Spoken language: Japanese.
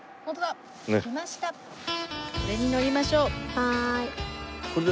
これに乗りましょう。